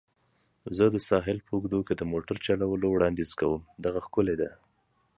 زه د ساحل په اوږدو کې د موټر چلولو وړاندیز کوم. دغه ښکلې ده.